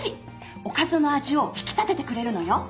おかずの味を引き立ててくれるのよ。